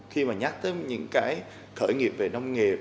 khi mà nhắc tới những cái khởi nghiệp về nông nghiệp